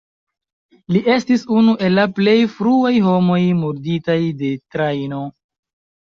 Li estis unu el la plej fruaj homoj murditaj de trajno.